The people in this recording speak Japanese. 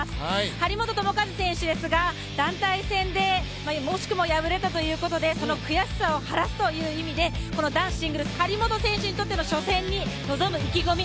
張本智和選手ですが団体戦で、惜しくも敗れたということでその悔しさを晴らすという意味でこの男子シングルス張本選手にとっての初戦に臨む意気込み